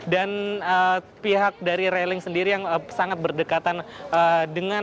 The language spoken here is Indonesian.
dan pihak dari railing sendiri yang sangat berdekatan dengan istilahnya rail kereta apinya ini berdekatan